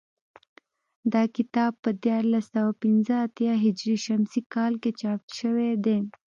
دا کتاب په دیارلس سوه پنځه اتیا هجري شمسي کال کې چاپ شوی دی